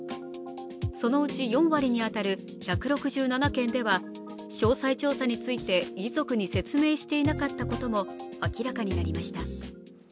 そのうち４割に当たる１６７件では詳細調査について遺族に説明していなかったことも明らかになりました。